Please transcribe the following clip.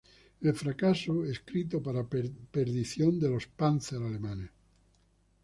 El fracaso escrito para perdición de los Panzers alemanes.